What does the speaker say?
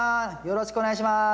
よろしくお願いします。